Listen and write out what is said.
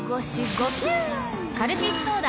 カルピスソーダ！